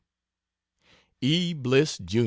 E. BLISS, Jr.